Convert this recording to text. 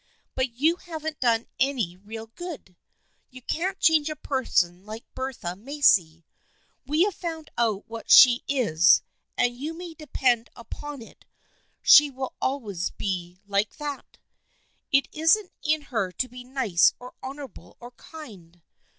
But you haven't done any real good. You can't change a person like Bertha Macy. We have found out what she is and you may depend upon it she will always be like that. It isn't in her to be nice or honorable or kind.